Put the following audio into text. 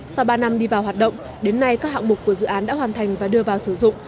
sau ba năm đi vào hoạt động đến nay các hạng mục của dự án đã hoàn thành và đưa vào sử dụng